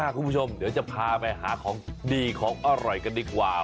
คุณผู้ชมเดี๋ยวจะพาไปหาของดีของอร่อยกันดีกว่า